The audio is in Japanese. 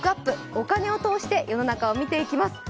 お金を通して世の中を見ていきます。